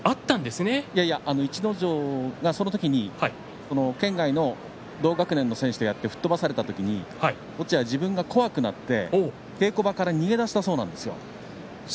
逸ノ城はその時に県外の同学年の選手とやって吹っ飛ばされた時に落合は怖くなって稽古場から逃げ出したそうです。